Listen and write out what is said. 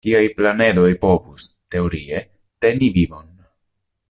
Tiaj planedoj povus, teorie, teni vivon.